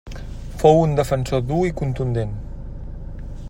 Fou un defensor dur i contundent.